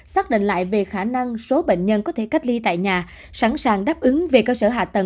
xác định lại về khả năng số bệnh nhân có thể cách ly tại nhà sẵn sàng đáp ứng về cơ sở hạ tầng